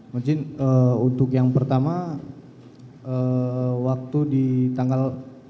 mungkin untuk yang pertama waktu di tanggal